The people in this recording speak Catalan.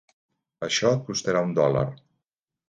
Això et costarà un dòlar.